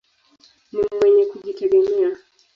Ni mwenye kujitegemea.